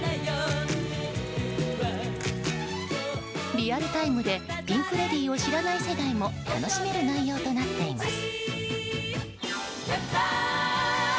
リアルタイムでピンク・レディーを知らない世代も楽しめる内容となっています。